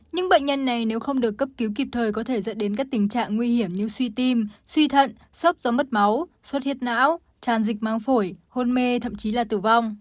những bệnh nhân này nếu không được cấp cứu kịp thời có thể dẫn đến các tình trạng nguy hiểm như suy tim suy thận sốc do mất máu xuất huyết não tràn dịch mang phổi hôn mê thậm chí là tử vong